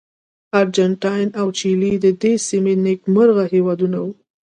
ارجنټاین او چیلي د دې سیمې نېکمرغه هېوادونه وو.